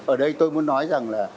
ở đây tôi muốn nói rằng là